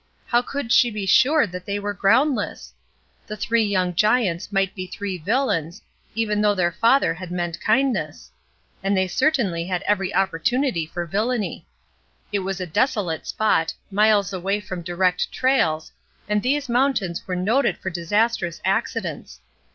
How could she be sure that they were ground less? The three young giants might be three villains, even though their father had meant kindness. And they certainly had every oppor tunity for viUany. It was a desolate spot, miles away from direct trails, and these moun tains were noted for disastrous accidents.